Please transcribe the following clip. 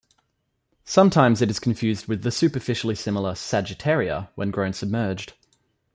Sometimes it is confused with the superficially similar "Sagittaria" when grown submerged.